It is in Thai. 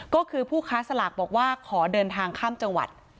ก็คือผู้ค้าสลากบอกว่าขอเดินทางข้ามจังหวัด